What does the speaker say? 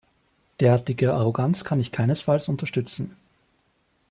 Derartige Arroganz kann ich keinesfalls unterstützen.